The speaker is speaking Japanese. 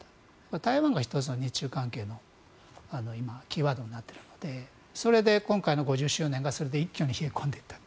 台湾が１つの日中関係のキーワードになっているのでそれで今回の５０周年がそれで一気に冷え込んでいった。